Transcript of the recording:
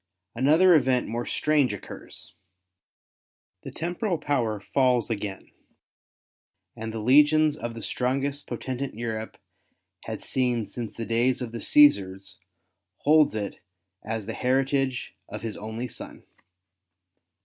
Another event more strange occurs. The temporal power falls again, and the legions of the strongest potentate Europe had seen since the days of the Ctesars holds it as the heritage of his only son.